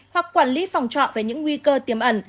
hoặc quản lý phòng trọ về những nguy cơ tiềm ẩn